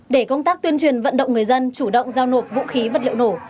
để công tác tuyên truyền vận động người dân chủ động giao nộp vũ khí vật liệu nổ